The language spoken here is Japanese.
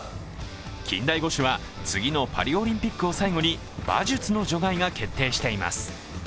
近代五種は次のパリオリンピックを最後に馬術の除外が決定しています。